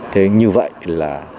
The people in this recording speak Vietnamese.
thế như vậy là